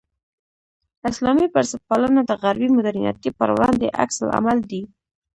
اسلامي بنسټپالنه د غربي مډرنیتې پر وړاندې عکس العمل دی.